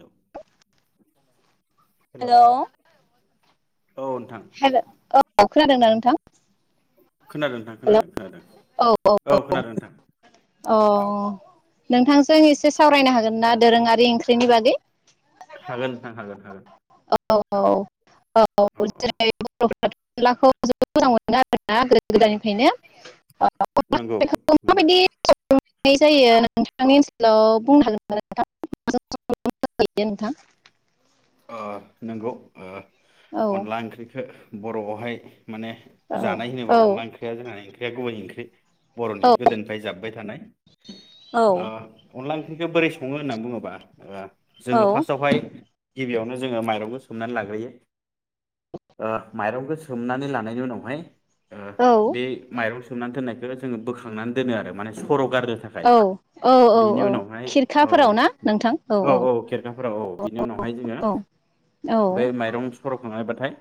हेल' नोंथां हेल' औ नोंथां हेल ओ औ खोनादोंना नोंथां। खोनादों नोंथां हेल' खोनादों खोनादों। औ औ औ खोनादों नोंथां औ नोंथांजों एसे सावरायनो हागोन ना दोरोङारि ओंख्रिनि बागै हागोन हाखागोन हागोन औ हागोन औ औ [unintelligible] [unintelligible] जोबोद मोजां मोनो आरोना गोदो गोदायनिफ्रायनो नंगौ बेखौ नंगौ माबायदि जायो नोंथांनि ओनसोलाव बुंनो हागोन नोंथां [unintelligible] नोंथां ओ नोंगौ ओ औ अनला ओंख्रिखो बर'आवहाय माने औ जानाय होनोबा औ अनला ओंख्रिया ओंख्रिया गुबै बर'नि गोदोनिफ्राय जाबोबाय थानाय औ अ अनला ओख्रिखौ बोरै सङो होन्ना बुङोबा ओ औ जोङो फार्स्टआवहाय गिबियावनो जोङो माइरंखौ सोमनानै लाग्रोयो ओ माइरंखौ सोमनानै लानायनि उनावहाय ओ बे माइरं सोमनानै दोननायखौ जोङो बोखांनानै दोनो आरो माने सर' गारनो थाखाय औ औ बिनि औ उनावहाय औ खिरखाफोराव ना नोंथां औ औ खेरखाफोराव औ बिनि उनाव बेहाय जोङो औ औ बै माइरं सर'खांबाथाय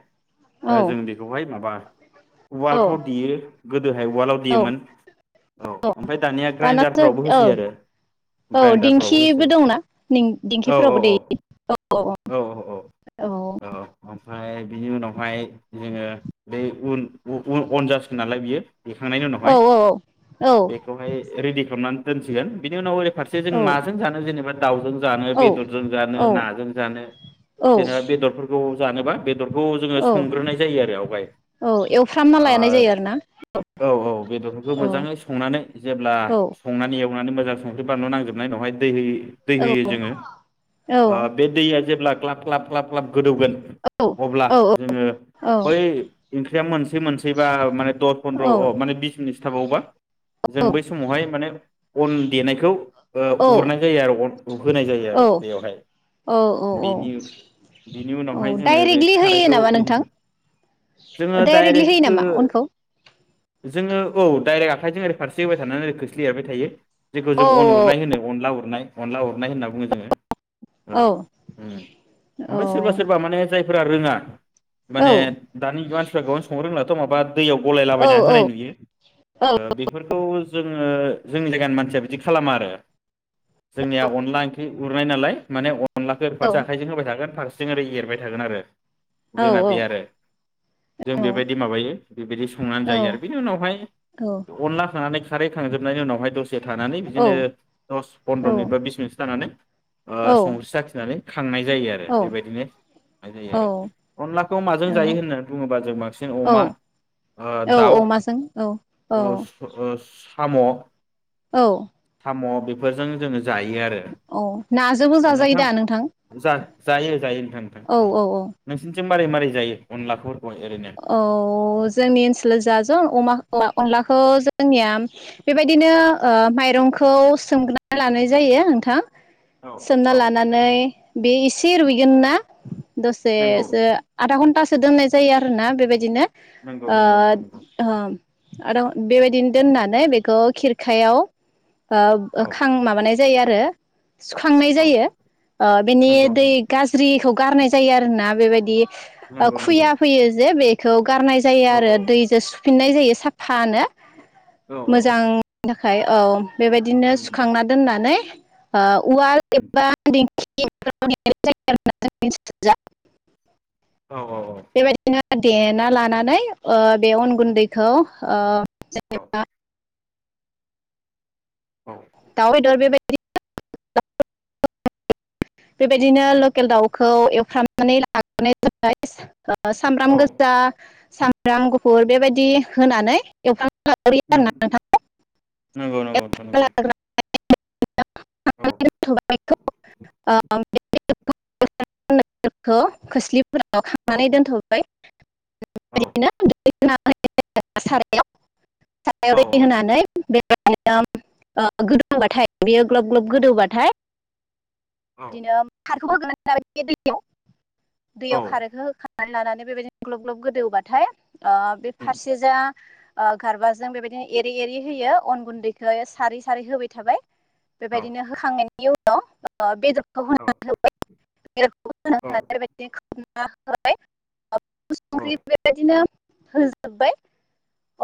औ जों बेखौहाय माबा औ उवालफ्राव देयो गोदोहाय उवालाव देयोमोन औ औ ओमफ्राय दानिया दानासो ग्राइडारफ्रावबो औ होसै आरो औ ग्राइडारफ्रावबो दिंखिबो होसै दंना औ औ दिंखिफोरावबो औ देयो औ औ औ औ ओमफ्राय बिनि उन उनावहाय जोङो बे उन अनजासिगोन नालाय बियो देखांनायनि औ उनावहाय औ औ बेखौहाय रेडि खालामनानै दोनसिगोन बिनि उनाव फारसे जों माजों जानो जेनेबा दाउजों जानो औ बेदरजों जानो औ ना? जानो औ जेनेबा बेफोरखौ औ जानोबा बेदरखौ जों औ संग्रोनाय जायो आरो आवगाय औ एवफ्रामना लानाय जायो आरोना ओ औ औ बेदरफोरखौ औ मोजै संनानै जेब्ला औ संनानै एव सनानै मोजां सख्रि बानलु नांजोबनायनि उनाव जेब्ला दै दैहै दै औ होयो जोङो औ बे दैया जेब्ला ग्लाब ग्लाब ग्लाब ग्लाब गोदौगोन औ अब्ला जोङो बै ओंख्रिया मोनसै मोनसेैबा माने दस फन्द्र अ माने बिस मिनिट खिथाबावबा जों बै समावहाय माने अन देनायखौ ओ औ उरनाय जायो आरो अन होनाय जायो औ आरो दैयावहाय औ बिनि बिनि औ उनावहाय जोङो बे डाइरेक्टलि होयो खाराइखौ नामा नोंथां बेनो जोङो डाइरेक्टलि होयो डायरेक्ट नामा अनखौ जोङो औ दाइरेक आखाइजों ओरै फारसे होबाय थानानै खोस्लि एरबाय थायो। जेखौ औ जों अन उरनाय होनो अनला उर उरनाय अनला उरनाय होनना बुङो जोङो। औ ओम औ ओमफ्राय सोरबा सोरबा माने जाय फोर रोङा औ माने दानि मानसिफ्रा गोबां संनो रोंला त आबाद दैयाव औ गलायलाबायना होनाय नुयो बेफोरखौ। जोङो जोंनि जायगानि मानसिया बिदि खालामा आरो जोंनिया अनला ओंख्रि उरनाय नालाय माने अनलाखौ फारसे आखाइजों होबाय थागोन फारसे जों ओरै एरबाय थागोन आरो जोंना बे आरो जों बेबायदि माबायो बेबायदि संनानै जायो आरो बिनि उनावहाय अनला खानै खारै खांजोबनायनि उनावहाय दसे। थानानै औ बिदिनो दस पन्द्र' औ मिनिट बा बिस मिनिटसो थानानै। ओ औ संस्रि साखिनानै। खांनाय जायो आरो बेबायदिनो जायो आरो औ अनलाखौ माजों जायो औ होनना बुङोब्ला जों बांसिन अमा औ औ दाउ। अमाजों औ औ साम' औ म' बेफोरजों जोंङो जायो आरो जोंबो जाजायो दा नोंथां जा जायो जायो नोंथां औ नोंथां औ औ नोंसिनिथिं मारै मारै जायो अनलाखौ ओरैनो? औ जोंनि ओनसोलाव जाजा अमा अनलाखौ जों जोंनिया बेबायदिनो ओ माइरंखौ सोमना लानाय जायो नोंथां औ सोमना औ लानानै बे एसे रुइगोन ना दसे नंगौ आदा घन्टा सो दोननाय जायो आरो ना बेबायदिनो नंगौ ओ नंगौ नोंथां नंगौ ओ आरो बेबायदिनो दोननानै बेखौ खिरखायाव औ ओ खां माबानाय जायो आरो सुखांनाय औ जायो ओ बेनि नंगौ दै गाज्रिखौ गारनाय जायो आरो ना बेबायदि नंगौ नंगौ बियो जे बेखौ गारनाय जायो औ आरो दैजों फिनाय जायो साफानो औ औ ओफ्राय औ बेबायदिनो उम सुखांना दोननानै आह उवाल उम एबा दिं [unintelligible] औ औ औ देना लानानै ओ बे अनगुन्दैखौ ओ औ जेनेबा औ दाव बेदर बेबादि बेबायदिनो लकेल दाउखौ एवफ्रामनानै लाग्रोनाय जाबाय ओ सामब्राम औ गोजा सामब्राम गुफुर बेबायदि होनानै एवफ्राम उम नंगौ नंगौ नोंथां नंगौ। [unintelligible] औ [unintelligible] खोसलि फोराव औ खांनानै दैनथ'बाय औ। [unintelligible] सारायाव औ दै होनानै [unintelligible] ओ गोदौबाथाय बेयो ग्लब ग्लब गोदौबाथाय औ बिदिनो खा [unintelligible] औ दैयाव खारैखौ होखा संनानै लानानै बेबायदिनो ग्लब ग्लब गोदौबाथाय ओ बे उम फारसेजा ओ गारबाजों बेबायदिनो एरै एरै होयो अन गुन्दैखौ सारै सारै होबाय थाबाय। औ बेबायदिनो होखांनायनि उनाव ओ बेदर औ। [unintelligible] [unintelligible] [unintelligible] औ संख्रि बेबादिनो होजबाय।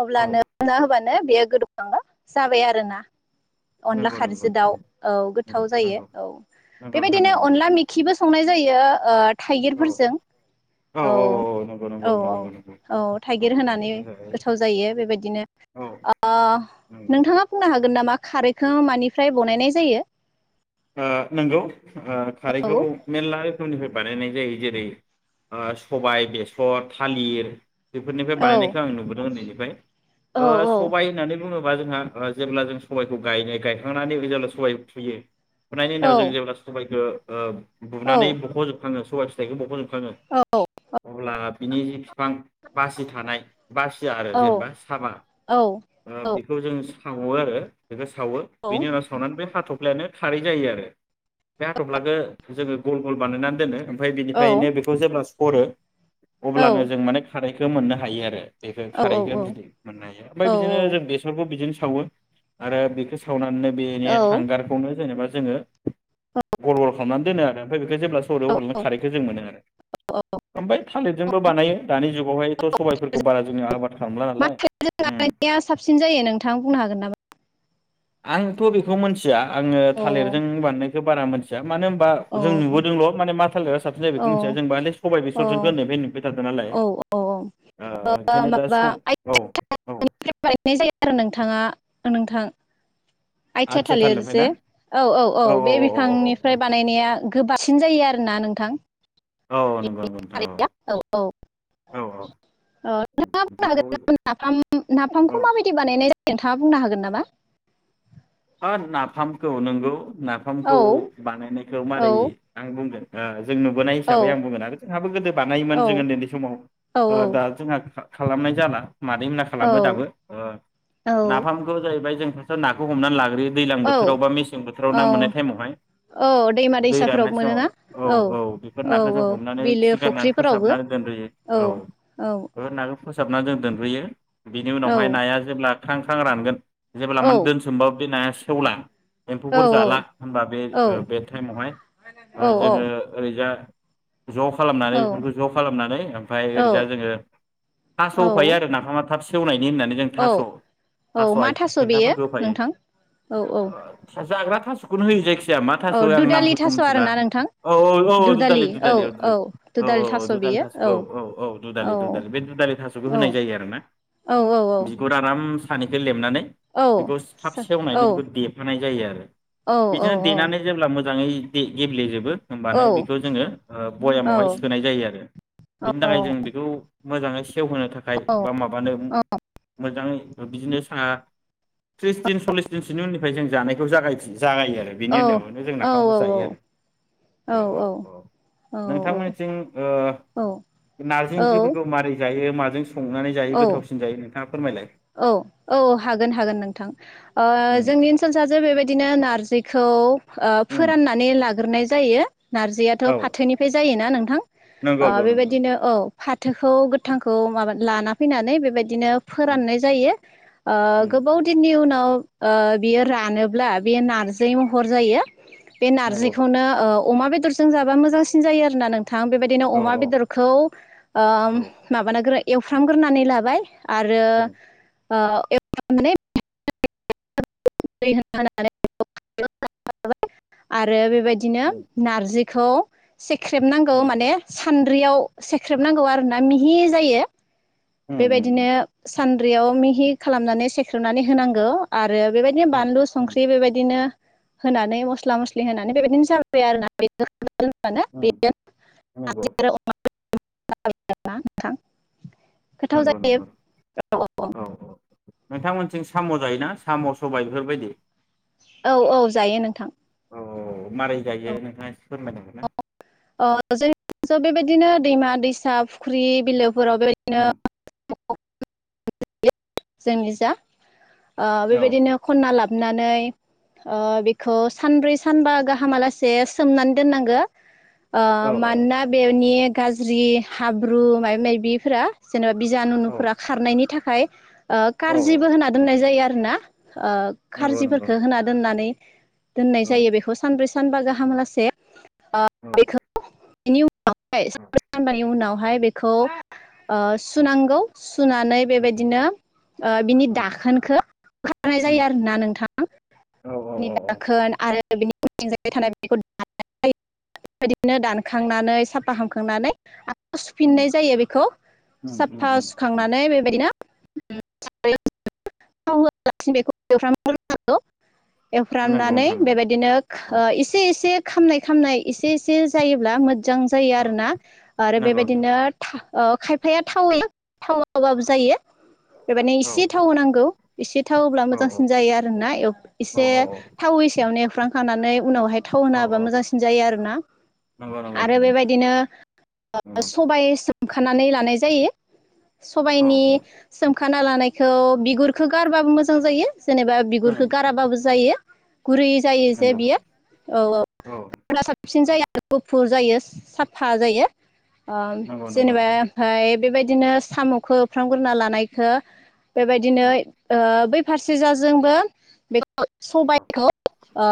अब्ला नों होबानो नों बेयो गोदौखांगा जाबाय आरोना। अनला नंगौ नंगौ खारैजो नोंथां दाउ नंगौ औ गोथाव जायो। नंगौ नंगौ नोंथां बेबायदिनो नंगौ अनला मेखिबो संनाय जायो ओ थाइगिरफोरजों औ औ औ नंगौ औ थाइगिर होनानै थालिरनि जायो गोथाव जायो बेबायदिनो औ ओ नंगौ। नोंथाङा बुंनो हागोन नामा? खारैखौ मानिफ्राय बानायनाय जायो नंगौ खारैखौ औ मेरला रोखोमनिफ्राय बानायनाय जायो जेरै सबाय बेसर थालिर बेफोरनिफ्राय औ बानायनायखौ आं नुबोदोंमोन नै ब औ [unintelligible] ओ सबाय होननानै बे बुङोबा जोंहा जेब्ला जों सबाइखौ गाय गायखांनानै जेब्ला सबाइ फुयो फुनायनि औ उनाव जों जेब्ला सबाइखौ ओ बुनानै औ बुख'जोबखाङो सबाय फिथायखौ औ अब्ला बिनि जि बिफां बासि थानाय बासिया आरो औ जेनेबा सामा औ बेखौ जों [unintelligible] आरो सावो बेनि उनाव सावनानै बे हाथाव [unintelligible] खारै जायो आरो बे हाथबफ्लाखौ जोङो गल गल बानायनानै दोनो ओमफ्राय बिनिफ्रायनो बेखौ जेब्ला [unintelligible] औ अब्लानो जों माने खानाय बे मोननो हायो आरो बेखौ खारैखौ बि मोननो हायो ओमफ्राय बिदिनो जों बेसरखौ बिदिनो सावो आरो बेखौ सावनानै बेनि औ हांगारखौनो जेनेबा जोङो गल गल खालामनानै दोनो आरो ओमफ्राय ब जेब्ला सरो औ अब्लों औ खारैखौ जों मोनो आरो ओमफ्राय थालिरजोंबो बानायो दानि जुगावहायथ' सबबायफोरखौ बारा जों आबाद खालामला मा नालाय बानायनाया साबसिन जायो नोंथां बुंनो हागोन नामा आंथ' बेखौ मिथिया आं अ औ थालिरजों बानायनायखौ बारा मोनसे मानो होनबा औ जों नुबोदोंल' मा थालिरा साबसिन ज औ बेखौ मिथिया सबाय बेसरजों गोननायाय नुबाय थादों नालाय औ औ औ ओ [unintelligible] ओंखायनो दा स औ औ बायनाय जाया आरो नोंथाङा नोंथां आइथिया आथिया थालिर थालिरनिफ्राय जे ना औ औ औ बे बिफांनिफ्राय बानायनाया गोबांसिन जायो आरो ना नोंथां औ औ नंगौ नंगौ नोंथां औ औ औ बेखौ नोंथाङा [unintelligible] औ नाफामखौ माबायदि बानायनाय ज जादों नोंथां बुंनो हागोन नामा नाफामखौ नोंगौ औ नाफामखौ बानायनायखौ औ मारै आं बुंगोन आ जों नुबोनाय औ हिसाबै आं बुंगोन आरो जोंहाबो गोदो बानायोमोन औ जो उन्दै समाव औ दा जोंहा खालामनाय जाला मादै होनना औ खालामो दाबो औ नाफामखौ जाहैबाय जों नोंसोर नाखौ हमनानै लागोन ओरै दैजलां बोथोराव औ बा मेसें बोथोराव ना मोननाय औ टाइमावहाय औ दैमा दै दैसाफोराव राननाय समाव मोनोना औ औ बेफोर औ नाखौ जों औ हमनानै बिलो खि गारनानै फुख्रिफोरावबो फोसाबनानै दोनदोयो औ औ बेफोर नाखौ फोसाबना दोनदो बैयो बिनि औ उनावहाय नाया जेब्ला खांखां रानगोन जेबोब्ला औ मान दोनसोमबाव बि ना सेवला औ एम्फौफोर जाला होनबा बे औ बे टाइमावहाय जोङो ओरैजा ज' खालामनानै बेफोरखौ ज' खालामनानै ओमफफ्राय औ ओरैजा जोङो थास' औ होफायो आरो नाफामा खाथियाव नाय होननानै जों औ थास औ मा थास' बेयो थेन्थाफोरखौ होफायो नोंथां औ औ जाग्रा थासुखौनो होयो जायखि जाया मा थास' औ आं दुदालि नामफोरखौ थास' मिथिला आरोना नोंथां औ औ दुदालि दुालि औ दुलि औ दुदालि दुदाललि बियो थास' औ औ औ दुलि दुलि बे दुदालि थास'खौ औ होनाय जायो आरो ना औ औ औ बिगुर आर सानैखौ लेबनानै औ थाब सेव औ नायनायनि बेखौ देेरहानाय जायो आरो औ औ बिदिनो देनानै जेब्ला मोजां मोजाङै गेब्लेजोबो औ होनोमबानो बेखौ जोङो औ भयामावहाय सोनाय जायो आरो बेनि थाखाय जों बेखौ मोजां सेवहोनो थाखाय औ बा माबानो मोजाङै बिदिनो साहा [inaudible] जागायो आरो बिनि उनावनो जों नाफामखौ जायो आरो औ औ औ नोंथांमोनथिं ओ नारजि ओंख्रिफोरखौ मारै जायो माजों संनानै जायो औ गोथावसिन जायो नोंथाङा फोरमायलाय औ औ हागोन हागोन नोंथां ओ उम जोंनि ओनसोल सा जो बेबायदिनो नारजि खौ ओ उम फोराननानै लाग्रोनाय जायो नारजियाथ' औ फाथोनिफ्राय जायोना नोंथां नंगौ नंगौ नंगौ बेबायदिनो औ फाथोखौ गोथांखौ माबा लाना फैनानै बेबायदि बिदिनो उम फोराननाय बेयो ओ उम गोबाव दिन नाव ओ बियो रानोब्ला बेयो नारजि महर जायो बे नंगौ नारजिखौनो ओ अमा बेदरजों जाबा मोजांसिन जायो आरोना नों थां बेबायदिनो औ अमा बेदरखौ ओ औ माबानो गोरै एवफ्रामग्रोनानै लाबाय आरो उम [unintelligible] बिदिनो उम नारजि खौ सेख्रेब नांगौ उम माने सान्द्रियाव सेख्रेब नांगौ आरो ना मिहि जायो उम बेबायदिनो उम सानद्रियाव मिहि खालामनानै सेख्रेनानै होनांगौ आरो आरो बेबायदिनो उम बानलु उम संख्रि बेबायदिनो होनानै मस्ला मस्लि होनानै बेबायदिनो जाबाय आरोना बे उम नंगौ [unintelligible] नोंथां गोथाव नंगौ जायो नंगौ औ नोंथांमोनथिं साम' जायोना साम' सबाय बेफोरबायदि औ औ जायो नोंथां अ मारै जायो नोंथाङा एसे फोरमायनांगोन ना? अ जोंनि [unintelligible] बेबायदिनो दैमा दैसा फुख्रि बिलो फोराव उम बेबायदिनो [unintelligible] जोंनि जा ओ औ बेबायदिनो खनना लाब नानै बेखौ सानब्रै सानबा गाहामालासे सोमनानै दोननांगो। ओ औ मानोना बेनि गाज्रि हाब्रु माबे माबिफोरा जेन'बा औ बिजानुुनुफोरा खारनायनि थाखाय खाय ओ औ खारजिबो औ होना दोननाय जायो आरो। फोरना ओ नंगौ नंगौ खारजिफोरखो होना दोननानै दोननाय औ जायो बेखौ सानब्रै सानबा गाहामलासे ओ औ बेखौ इनि उन उनावहाय सान्ब्रै सानबानि उनाव ओमफाय बेखौ ओ औ सुनांगौ सुनानै बेबायदिनो ओ बिनि उम दाखोनखो होखारनाय उम जायो आरोना नोंथां औ औ बिनि औ औ दाखोन आ आरो बिनि उन्थिंजाय थानाय बेखौ [unintelligible] बेबायदिनो दानखांनानै साफा खांनानै खौ उम सुफिननाय जायो बेखौ उम उम साफा उम उम सुखांनानै बेबायदिनो [unintelligible] बेखौ होआलासि बेखौ एवफ्राम ग्रोनांगौ। नंगौ एवफ्रामनानै नोंथां नंगौ बेबायदिनो औ खो एसे एसे खामनाय खामनाय इस एसे एसे जायोब्ला मोजां जायो औ आरोना आरो नंगौ नोंथां बेबायदिनो था अ खायफाया थावै थावाबाबो जायो। बेबादिनो औ एसे थाव होनांगौ। एसे थाव होब्ला औ मोजांसिन जायो आरो ना एव औ एसे थाव होयै सेयावनो एव फ्रामखानानै उनावहाय थाव औ होना होबा औ मोजांसिन जायो आरोना नंगौ नंगौ आरो नोंथां बेबायदिनो ओ नंगौ सबायस ओखानानै लानाय जायो। सबायनि नंगौ औ सोमखाना लानायखौ बिगुरखो गारबाबो मोजां जायो। जेनेबा बिगुरखो उम गाराबाबो जायो गुरै जायो जे नंगौ बियो औ औ [unintelligible] साबसिन औ जायो [unintelligible] गुफुर जायो साफा जायो। ओ नंगौ नंगौ जेनेबा नोंथां ओमफाय बेबायदिनो साम'खौ एवफ्राम गुरना लानायखौ औ बेबायदिनो ओ बै फारसे जाजोंबो ओ औ सबायखौ ओ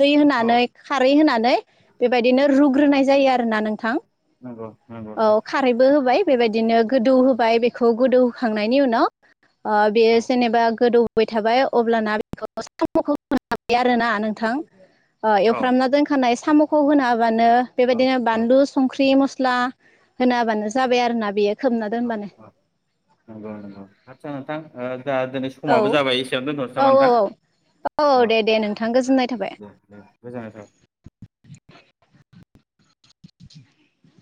दै होनानै औ खारै होनानै बेबायदिनो उम रुग्रोनाय जायो आरोना नों थां। नंगौ नंगौ नोंथां औ खारैबो होबाय। बेबायदिनो गोदौ होबाय बे खौ गोदौ होखांनायनि उनाव ओ औ बेयो जेनेबा गोदौ बाय थाबाय अब्लाना बेखौ सामुखो होग्रो [unintelligible] बाय आरोना नोंथां। अ औ एवफ्रामना दोनखानाय साम'खौ होना हाबानो औ बेबायदिनो औ बानलु संख्रि म स्ला होनाबानो जाबाय आरो ना बेयो खोबना दोनबानो। नोंगौ नोंथां। आटसा नोंथां दा दिनै औ समाबो जाबाय एसेयावनो दोन्थ'नोसै औ नामा औ नोंथां? औ दे दे औ नोंथां गोजोननाय थाबाय दे दे गोजोननाय था [inaudible]